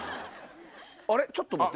ちょっと待って。